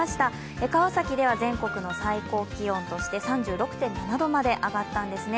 江川崎では全国の最高気温として３６．７度まで上がったんですね。